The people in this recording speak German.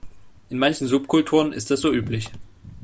In manchen Subkulturen ist das so üblich.